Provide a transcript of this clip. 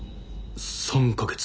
３か月？